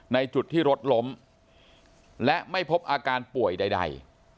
ในจุดที่รถล้มและไม่พบอาการป่วยใด